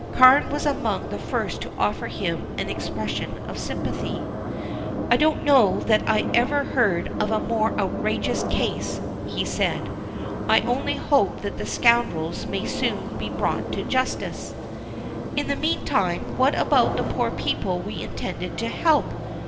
Carne was among the first to offer him an expression of sympathy. "I don't know that I ever heard of a more outrageous case," he said. "I only hope that the scoundrels may be soon brought to justice." "In the meantime what about the poor people we intended to help?"